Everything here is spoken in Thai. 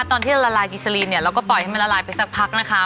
ตอนที่เราละลายกิซาลีนเนี่ยเราก็ปล่อยให้มันละลายไปสักพักนะคะ